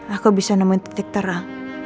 aku bisa nemuin titik terang